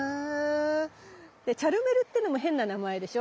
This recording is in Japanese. でチャルメルってのも変な名前でしょ？